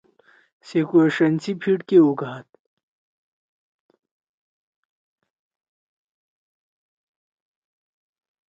سے کوݜئین سی پھیِٹ کے ہُوگاد۔